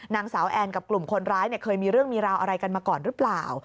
นางสาวแอนกับกลุ่มคนร้ายเคยมีเรื่องมีราวอะไรกันมาก่อนหรือเปล่า